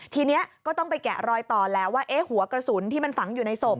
ทีนี้ก็ต้องไปแกะรอยต่อแล้วว่าหัวกระสุนที่มันฝังอยู่ในศพ